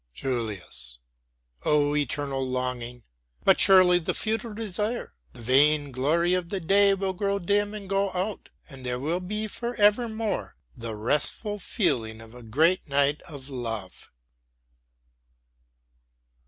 JULIUS Oh eternal longing! But surely the futile desire, the vain glare, of the day will grow dim and go out, and there will be forever more the restful feeling of a great night of love.